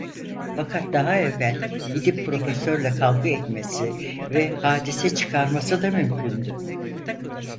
Fakat daha evvel gidip Profesörle kavga etmesi ve hadise çıkarması da mümkündü.